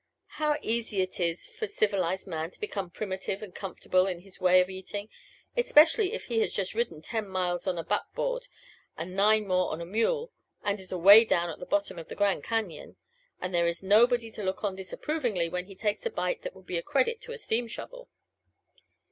How easy it is for civilized man to become primitive and comfortable in his way of eating, especially if he has just ridden ten miles on a buckboard and nine more on a mule and is away down at the bottom of the Grand Cañon and there is nobody to look on disapprovingly when he takes a bite that would be a credit to a steam shovel!